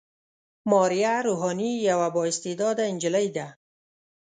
ماريه روحاني يوه با استعداده نجلۍ ده.